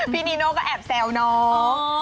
พี่นีโน่ก็แอบแซวน้อง